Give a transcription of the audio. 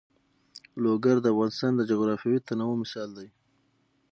لوگر د افغانستان د جغرافیوي تنوع مثال دی.